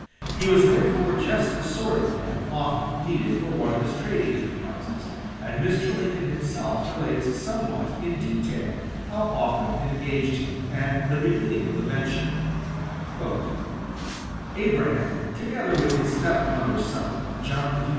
He was therefore just the sort of man Offutt needed for one of his trading enterprises, and Mr. Lincoln himself relates somewhat in detail how Offutt engaged him and the beginning of the venture: "Abraham, together with his stepmother's son, John D.